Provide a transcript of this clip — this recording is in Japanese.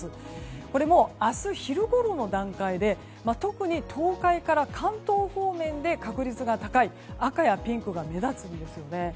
明日昼ごろの段階で特に東海から関東方面で確率が高い赤やピンクが目立つんですよね。